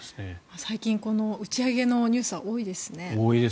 最近打ち上げのニュースは多いですね。